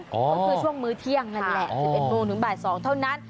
ก็คือช่วงมื้อเที่ยงนั่นแหละ๑๑โมงถึงบ่าย๒เท่านั้น